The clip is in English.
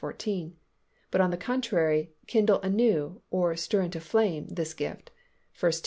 14), but on the contrary "kindle anew" or "stir into flame" this gift (1 Tim.